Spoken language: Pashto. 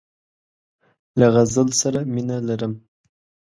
له غزل سره مینه لرم.